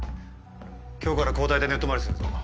今日から交代で寝泊まりするぞ。